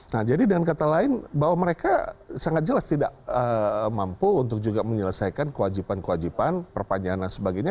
nah jadi dengan kata lain bahwa mereka sangat jelas tidak mampu untuk juga menyelesaikan kewajiban kewajiban perpanjangan dan sebagainya